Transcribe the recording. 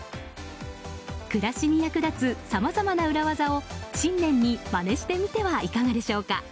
暮らしに役立つさまざまな裏技を新年にまねしてみてはいかがでしょうか。